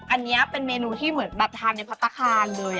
อันนี้เป็นเมนูที่เหมือนแบบทานในพัฒนาคารเลย